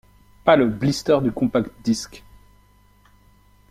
Pas le blister du compact disc.